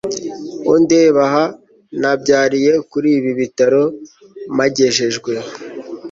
undeba aha nabyariye kuribi bitaro mpagejejwe